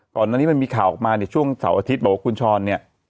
ก่อนหน้านี้มันมีข่าวออกมาเนี่ยช่วงเสาร์อาทิตย์บอกว่าคุณช้อนเนี่ย